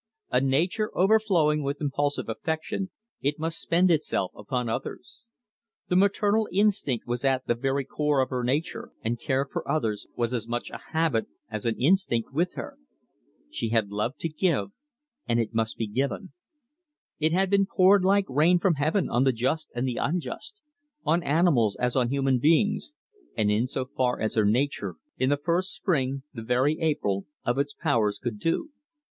A nature overflowing with impulsive affection, it must spend itself upon others. The maternal instinct was at the very core of her nature, and care for others was as much a habit as an instinct with her. She had love to give, and it must be given. It had been poured like the rain from heaven on the just and the unjust; on animals as on human beings, and in so far as her nature, in the first spring the very April of its powers, could do.